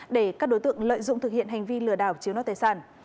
để các đối tượng lợi dụng thực hiện hành vi lừa đảo chiếm đoạt tài sản